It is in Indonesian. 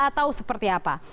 atau seperti apa